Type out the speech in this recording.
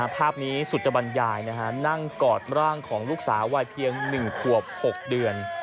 ภาพนี้สุจบรรยายนั่งกอดร่างของลูกสาววัยเพียง๑ขวบ๖เดือน